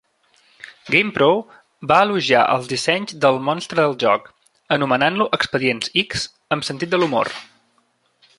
"GamePro" va elogiar els dissenys del monstre del joc, anomenant-lo "Expedients-X" amb sentit de l'humor.